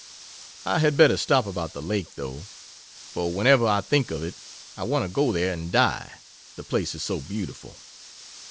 I had better stop about "the Lake," though, for whenever I think of it I want to go there and die, the place is so beautiful.